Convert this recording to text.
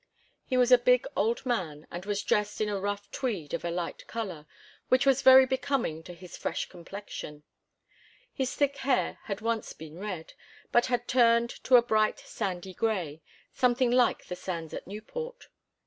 He was a big old man and was dressed in a rough tweed of a light colour, which was very becoming to his fresh complexion. His thick hair had once been red, but had turned to a bright sandy grey, something like the sands at Newport.